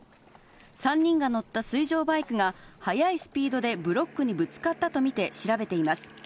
３人が乗った水上バイクが、速いスピードでブロックにぶつかったと見て調べています。